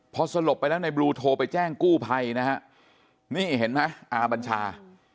พอสลบไปแล้วในบลูโทรไปแจ้งกู้ภัยนะฮะนี่เห็นไหมอาบัญชา